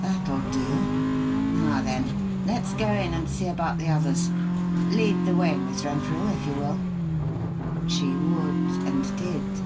That'll do. Now, then, let's go in and see about the others. Lead the way, Miss Renfrew, if you will." She would, and did.